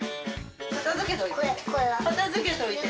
片づけておいて。